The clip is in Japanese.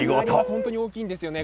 本当に大きいんですよね。